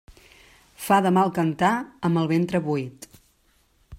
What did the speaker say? Fa de mal cantar amb el ventre buit.